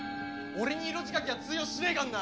俺に色仕掛けは通用しねえからな！